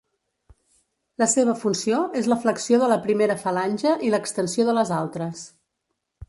La seva funció és la flexió de la primera falange i l'extensió de les altres.